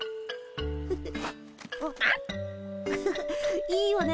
フフいいよね